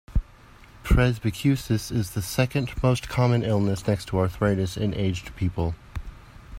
Presbycusis is the second most common illness next to arthritis in aged people.